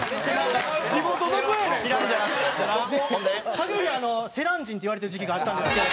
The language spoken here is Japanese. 陰で「せらん人」っていわれてる時期があったんですけど。